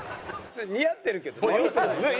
似合ってるけどね。